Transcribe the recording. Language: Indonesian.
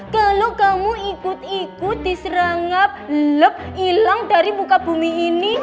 kalau kamu ikut ikut diserang lep hilang dari muka bumi ini